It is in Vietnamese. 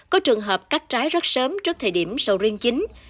có trường hợp cắt trái rất sớm trước thời điểm sầu riêng chính